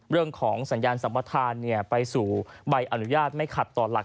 เรื่องของสัญญาณสัมปทานไปสู่ใบอนุญาตไม่ขัดต่อหลัก